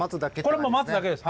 これもう待つだけです。